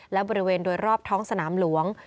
และบริเวณโดยรอบท้องสนามหลวง